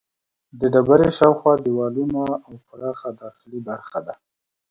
د ډبرې شاوخوا دیوالونه او پراخه داخلي برخه ده.